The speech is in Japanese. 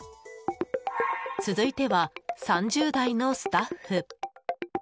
続いては３０代のスタッフ。